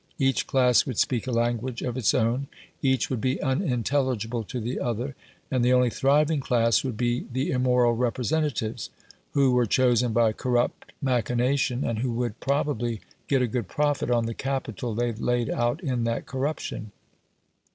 Each class would speak a language of its own; each would be unintelligible to the other; and the only thriving class would be the immoral representatives, who were chosen by corrupt machination, and who would probably get a good profit on the capital they laid out in that corruption.